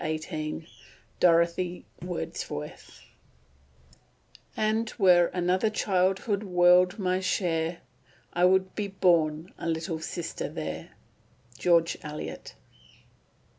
XVIII DOROTHY WORDSWORTH "And were another childhood world my share, I would be born a little sister there."—GEORGE ELIOT.